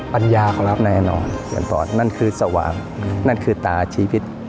ปัญญาครับอย่างตอนนั่นคือสว่างนั่นคือตาชีวิต